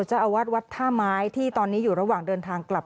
เจ้าอาวาสวัดท่าไม้ที่ตอนนี้อยู่ระหว่างเดินทางกลับ